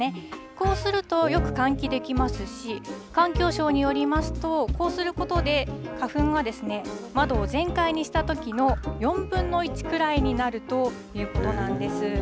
こうするとよく換気できますし、環境省によりますと、こうすることで、花粉は窓を全開にしたときの４分の１くらいになるということなんです。